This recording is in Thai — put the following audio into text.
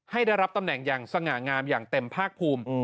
ได้รับตำแหน่งอย่างสง่างามอย่างเต็มภาคภูมิ